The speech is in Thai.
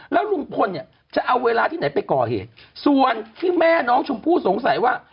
แล้วลุงพลเนี่ยจะเอาเวลาที่ไหนไปก่อเหตุส่วนที่แม่น้องชมพู่สงสัยว่า